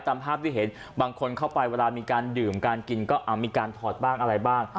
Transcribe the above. ตามภาพที่เห็นบางคนเข้าไปเวลามีการดื่มการกินก็มีการถอดบ้างอะไรบ้าง